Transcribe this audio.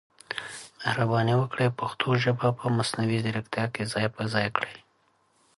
Africa, Latin America, and various oceanic islands.